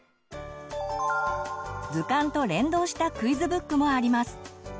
図鑑と連動したクイズブックもあります。